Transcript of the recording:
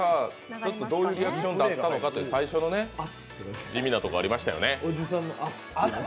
どういうリアクションだったのか、最初の地味なところありましたよね。